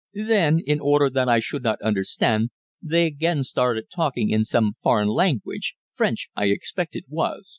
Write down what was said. Then, in order that I should not understand, they again started talking in some foreign language French I expect it was.